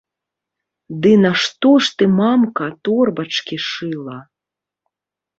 Ды нашто ж ты, мамка, торбачкі шыла?!